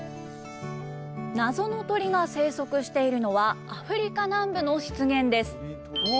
ナゾの鳥が生息しているのはアフリカ南部の湿原です。